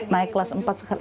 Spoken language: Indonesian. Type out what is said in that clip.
naik kelas empat sekalian